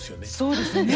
そうですね。